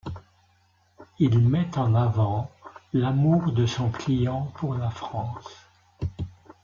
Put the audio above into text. Il met en avant l'amour de son client pour la France.